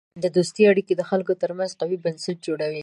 د دوستی اړیکې د خلکو ترمنځ قوی بنسټ جوړوي.